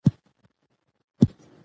شکایت کول هیڅ ګټه نلري.